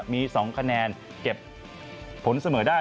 มี๒คะแนนเก็บผลเสมอได้